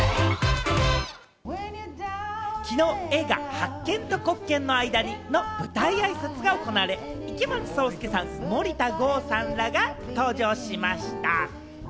きのう映画『白鍵と黒鍵の間に』の舞台あいさつが行われ、池松壮亮さん、森田剛さんらが登場しました。